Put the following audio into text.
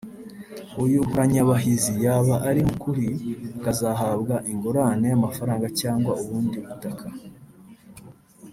uyu Nkuranyabahizi yaba ari mu kuri akazahabwa ingurane y’amafaranga cyangwa ubundi butaka